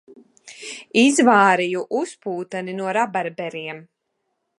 Izvārīju uzpūteni no rabarberiem.